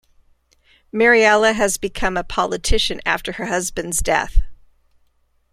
Mariella has become a politician after her husband's death.